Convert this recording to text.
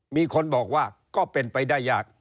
มีคนบอกว่าก็เป็นไปได้ยาก